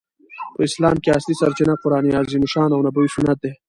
په اسلام کښي اصلي سرچینه قران عظیم الشان او نبوي سنت ده.